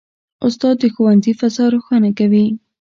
استاد د ښوونځي فضا روښانه کوي.